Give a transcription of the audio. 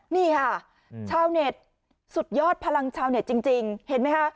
นี่ค่ะชาวเน็ตสุดยอดพลังชาวเน็ตจริงเห็นไหมคะ